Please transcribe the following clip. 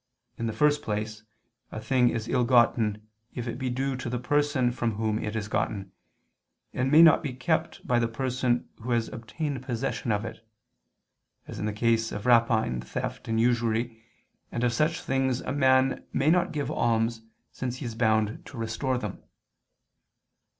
In the first place a thing is ill gotten if it be due to the person from whom it is gotten, and may not be kept by the person who has obtained possession of it; as in the case of rapine, theft and usury, and of such things a man may not give alms since he is bound to restore them.